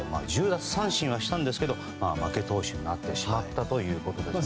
１０奪三振はしたんですが負け投手になってしまったということです。